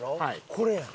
これやん。